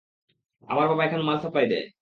আমার বাবা এখানে মাল সাপ্লাই দেয়।